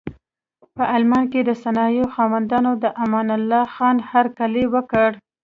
په المان کې د صنایعو خاوندانو د امان الله خان هرکلی وکړ.